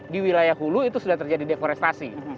di wilayah hulu itu sudah terjadi deforestasi